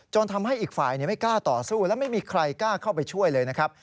ทำให้อีกฝ่ายไม่กล้าต่อสู้และไม่มีใครกล้าเข้าไปช่วยเลยนะครับ